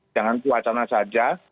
jangan cuacana saja